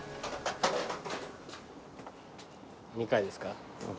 ２回ですか。